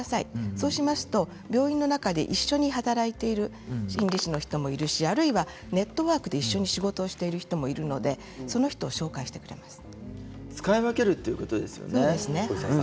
そうしますと病院の中で一緒に働いている心理士の人もいるしネットワークで一緒に働いている人もいるので使い分けるということですよね。